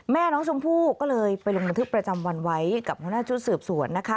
แม่น้องชมพู่ก็เลยไปลงบันทึกประจำวันไว้กับหัวหน้าชุดสืบสวนนะคะ